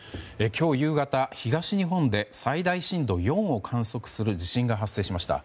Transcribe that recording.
今日夕方、東日本で最大震度４を観測する地震が発生しました。